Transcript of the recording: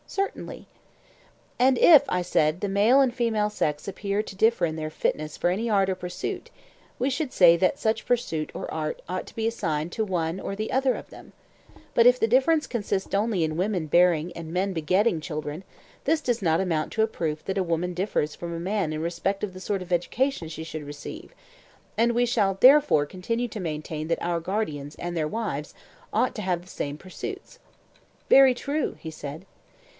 Certainly. And if, I said, the male and female sex appear to differ in their fitness for any art or pursuit, we should say that such pursuit or art ought to be assigned to one or the other of them; but if the difference consists only in women bearing and men begetting children, this does not amount to a proof that a woman differs from a man in respect of the sort of education she should receive; and we shall therefore continue to maintain that our guardians and their wives ought to have the same pursuits. Very true, he said.